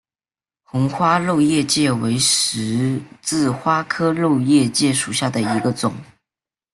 红花肉叶荠为十字花科肉叶荠属下的一个种。